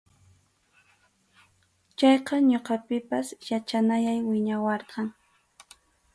Chayqa ñuqapipas yachanayay wiñawarqan.